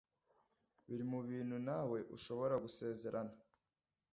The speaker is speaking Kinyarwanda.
biri mu bintu nawe ushobora gusezerana